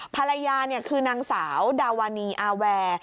ภรรยาคือนางสาวดาวานีอาแวร์